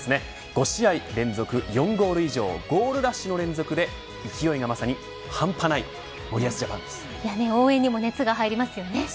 ５試合連続４ゴール以上ゴールラッシュの連続で勢いが、まさに半端ない応援にも熱が入りますよね。